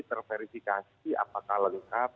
terverifikasi apakah lengkap